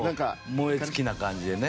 燃え尽きな感じでね。